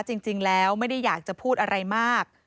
จริงแล้วไม่ได้อยากจะพูดอะไรมาก